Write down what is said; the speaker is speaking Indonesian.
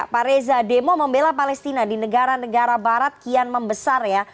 pak reza demo membela palestina di negara negara barat kian membesar ya